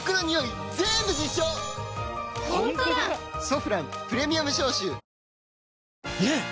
「ソフランプレミアム消臭」ねえ‼